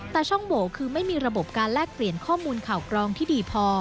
แต่ช่องโหวคือไม่มีระบบการแลกเปลี่ยนข้อมูลข่าวกรองที่ดีพอ